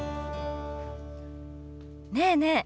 ねえねえ